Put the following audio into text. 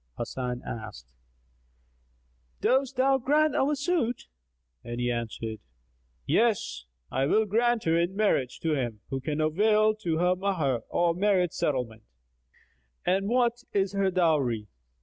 Hasan asked, "Dost thou grant our suit?"; and he answered, "Yes, I will grant her in marriage to him who can avail to her mahr or marriage settlement." "And what is her dowry?"